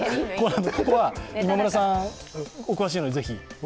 ここは今村さん、お詳しいので、ぜひ。